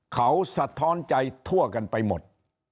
เขาสะท้อนใจทั่วกันไปหมด